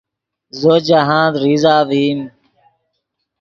زو جاہند ریزہ ڤئیم